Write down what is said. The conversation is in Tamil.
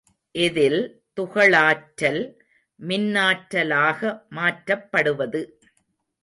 இதில் துகளாற்றல் மின்னாற்றலாக மாற்றப்படுவது.